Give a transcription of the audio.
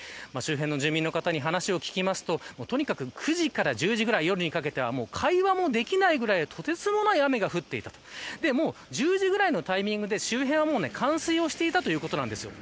周辺の住民の方に話を聞くととにかく、９時から１０時ぐらい夜にかけては会話もできないぐらいとてつもない雨が降っていたと１０時ぐらいのタイミングで周辺は冠水していたということです。